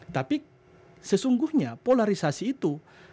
tapi sesungguhnya polarisasi itu